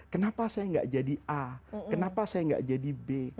kenapa saya nggak jadi a kenapa saya nggak jadi b